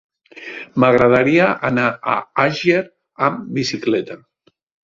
M'agradaria anar a Àger amb bicicleta.